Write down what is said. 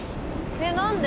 えっ何で？